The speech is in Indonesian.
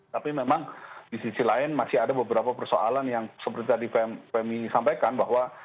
tapi memang di sisi lain masih ada beberapa persoalan yang seperti tadi femi sampaikan bahwa